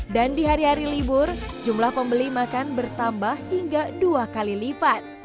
dan di hari hari libur jumlah pembeli makan bertambah hingga dua kali lipat